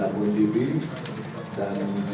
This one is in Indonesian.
dan media media lainnya